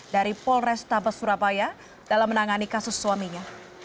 dari polrestabes surabaya dalam menangani kasus suaminya